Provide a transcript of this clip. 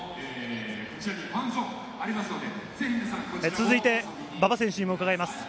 続いて馬場選手にも伺います。